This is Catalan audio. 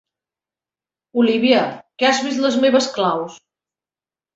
Olivia, que has vist les meves claus?